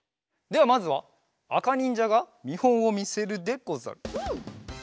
ではまずはあかにんじゃがみほんをみせるでござる。